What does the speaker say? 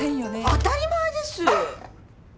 当たり前です。